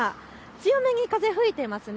強めに風が吹いています。